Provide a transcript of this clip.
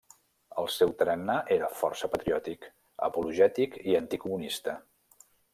El seu tarannà era força patriòtic apologètic i anticomunista.